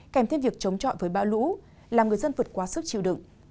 kèm thêm việc chống chọi với bão lũ làm người dân vượt qua sức chịu đựng